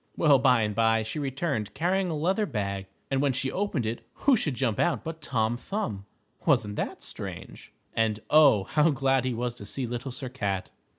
Well, by and by, she returned carrying a leather bag, and when she opened it, who should jump out but Tom Thumb. Wasn't that strange? And, oh, how glad he was to see Little Sir Cat.